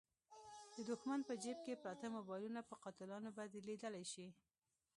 د دوښمن په جیب کې پراته موبایلونه په قاتلانو بدلېدلای شي.